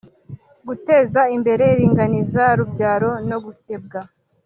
Guteza imbere iringaniza rubyaro no gukebwa